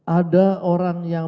ada orang yang